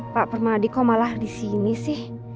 pak permadi kok malah disini sih